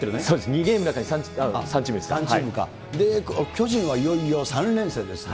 ２ゲームの中に３３チームか、巨人はいよいよ３連戦ですね。